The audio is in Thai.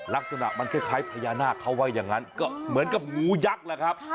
ลักษณะมันคล้ายพญานาคเขาว่าอย่างนั้นก็เหมือนกับงูยักษ์แหละครับ